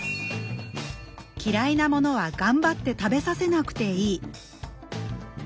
嫌いなものは頑張って食べさせなくていい。